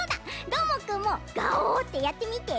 どーもくんも「がおー！」ってやってみて。